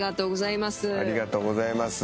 ありがとうございます。